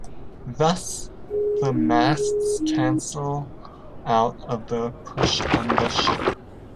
Thus, the masts cancel out of their push on the ship.